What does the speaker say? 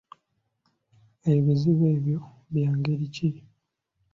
Ebizibu ebyo bya ngeri ki?